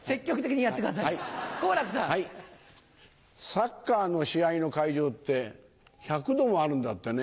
サッカーの試合の会場って１００℃もあるんだってね。